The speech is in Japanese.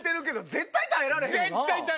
絶対耐えられない！